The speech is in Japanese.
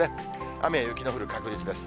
雨や雪の降る確率です。